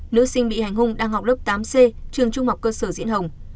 nữ sinh bị hành hung đang học lớp tám c trường trung học cơ sở diễn hồng